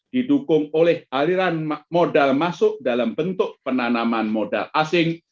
didukung oleh aliran modal masuk dalam bentuk penanaman modal asing